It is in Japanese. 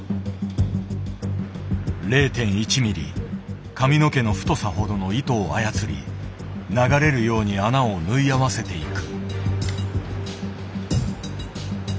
０．１ミリ髪の毛の太さほどの糸を操り流れるように穴を縫い合わせていく。